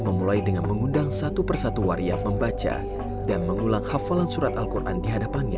memulai dengan mengundang satu persatu waria membaca dan mengulang hafalan surat al quran di hadapannya